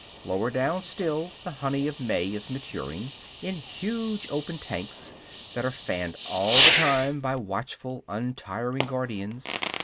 Lower down still, the honey of May is maturing, in huge open tanks, that are fanned all the time by watchful, untiring guardians.